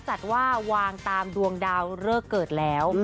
จัดว่าวางตามดวงดาวเลิกเกิดแล้ว